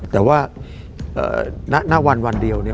แต่ว่านักวันวันเดียว